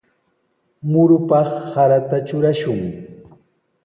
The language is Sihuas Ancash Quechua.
Murupaq sarata trurashun.